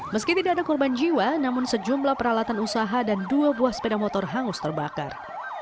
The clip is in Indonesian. meski tidak ada korban jiwa namun sejumlah peralatan usaha dan dua buah sepeda motor hangus terbakar